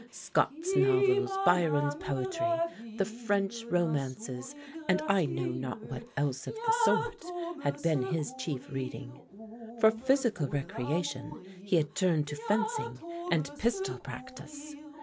Scott's novels, Byron's poetry, the French romances, and I know not what else of the sort, had been his chief reading. For physical recreation he had turned to fencing and pistol practice.